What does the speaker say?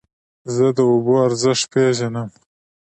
زه د اوبو ارزښت پېژنم.